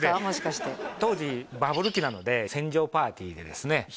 もしかして当時バブル期なので船上パーティーでですね